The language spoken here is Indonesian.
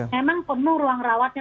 memang penuh ruang rawatnya